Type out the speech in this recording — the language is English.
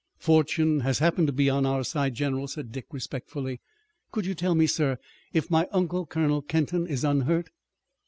"Fortune has happened to be on our side, general," said Dick respectfully. "Could you tell me, sir, if my uncle, Colonel Kenton, is unhurt?"